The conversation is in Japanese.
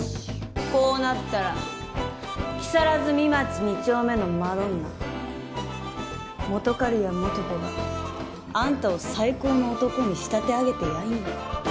こうなったら木更津御町二丁目のマドンナ本仮屋素子があんたを最高の男に仕立て上げてやんよ。